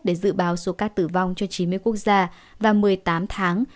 để dự báo số ca tử vong cho chín mươi quốc gia và một mươi tám tháng